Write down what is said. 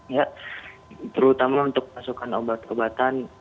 ya terutama untuk pasokan obat obatan